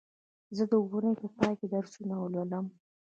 زه د اونۍ په پای کې درسونه لولم